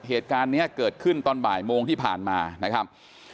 เหตุการณ์นี้เกิดขึ้นตอนบ่ายโมงที่ผ่านมานะครับ